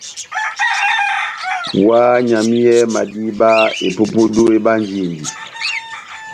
Ohányamiyɛhɛ madíba, epupudu ebánjindi.